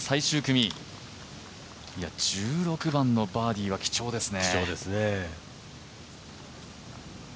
１６番のバーディーは貴重ですね。